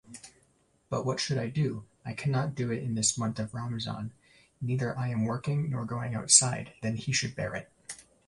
But what should I do, I cannot do it in this month of Ramzan, Neither I am working nor going outside, then he should bear it.